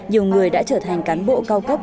nhiều người đã trở thành cán bộ cao cấp